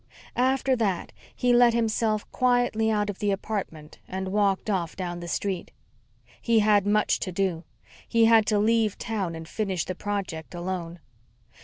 After that, he let himself quietly out of the apartment and walked off down the street. He had much to do. He had to leave town and finish the project alone.